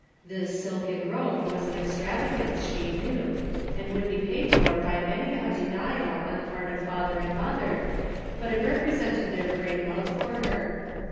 This silken robe was an extravagance, she knew, and would be paid for by many a denial on the part of father and mother, but it represented their great love for her.